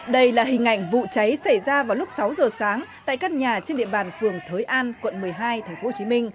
đây là hình ảnh vụ cháy xảy ra vào lúc sáu giờ sáng tại các nhà trên địa bàn phường thới an quận một mươi hai tp hcm